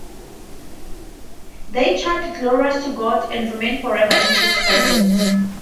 They chant glorias to God and remain forever in his presence.